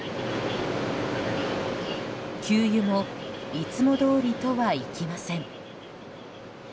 給油もいつもどおりとはいきません。